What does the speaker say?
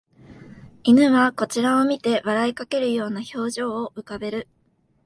犬はこちらを見て笑いかけるような表情を浮かべる